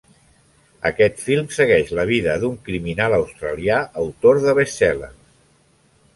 Aquest film segueix la vida d'un criminal australià autor de best-sellers.